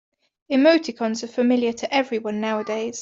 Emoticons are familiar to everyone nowadays.